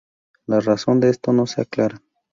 La razón de esto no se aclara.